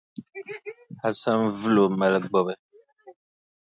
Hasan vili o ma mali gbubi.